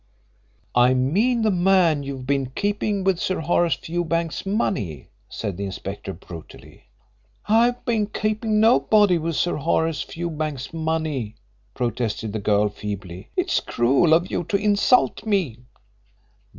"I mean the man you've been keeping with Sir Horace Fewbanks's money," said the inspector brutally. "I've been keeping nobody with Sir Horace Fewbanks's money," protested the girl feebly. "It's cruel of you to insult me."